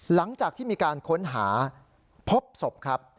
หลังจากที่มีการค้นหาพบศพครับ